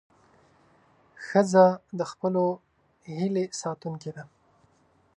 ښځه د خپلو هیلې ساتونکې ده.